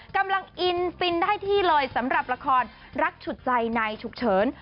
กำลังอินฟินได้ที่เลยสำหรับละครรักฉุดใจในฉุกเฉิน